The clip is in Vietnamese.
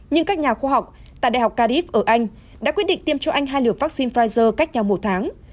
nhưng các nhà khoa học tại đại học carib ở anh đã quyết định tiêm cho anh hai liều vaccine pfizer cách nhau một tháng